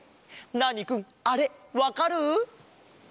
ナーニくんあれわかる？